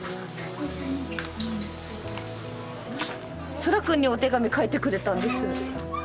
蒼空くんにお手紙書いてくれたんです。